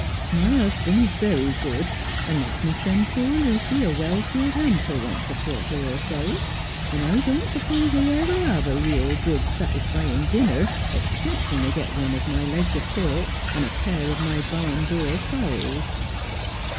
My husband's very good, and lets me send poor Lucy a well filled hamper once a quarter or so ; and I don't suppose they ever have a real good satisfying dinner except when they get one of my legs of pork and a pair of my barn door fowls.'